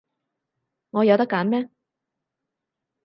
我有得揀咩？